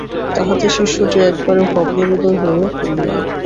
তাহাতে শিষ্যটি একেবারে ভগ্নহৃদয় হইয়া পড়িলেন।